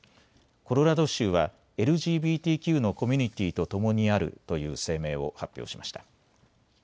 コロラド州はＬＧＢＴＱのコミュニティーと共にあるという声明を発表しました。